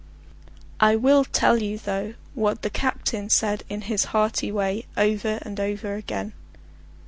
I will tell you, though, what the captain said in his hearty way over and over again.